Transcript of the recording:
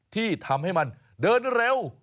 ที่ทำให้มันเดินเร็ว